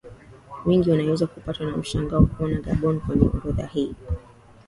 Wengi wanaweza kupatwa na mshangao kuiona Gabon kwenye orodha hii